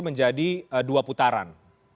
menjadi dua putaran